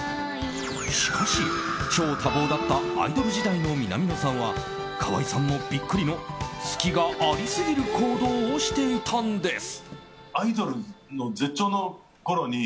しかし、超多忙だったアイドル時代の南野さんは川合さんもビックリの隙がありすぎる行動をしていたんです。